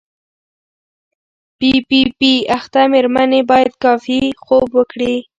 پی پي پي اخته مېرمنې باید کافي خوب وکړي.